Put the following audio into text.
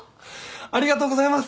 ありがとうございます！